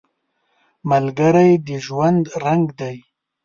ملګری د ژوند رنګ دی